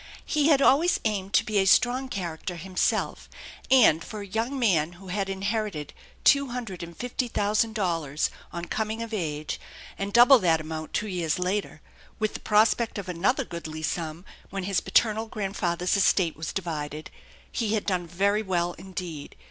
He had always aimed to be a strong character himself; and for a young man who had inherited two hundred and fifty thousand dollars on coming of age, and double that amount two years later, with the prospect of another goodly sum when his paternal grandfathers estate was divided, he had done very well indeed.